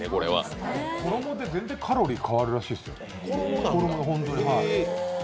衣で絶対、カロリーが変わるらしいですよ。